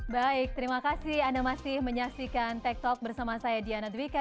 baik terima kasih anda masih menyaksikan tech talk bersama saya diana dwika